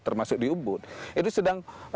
termasuk di ubud ini sedang